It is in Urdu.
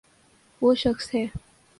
و ہ شخص ہے۔